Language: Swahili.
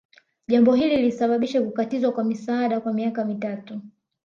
Jambo hili lilisababisha kukatizwa kwa misaada kwa miaka mitatu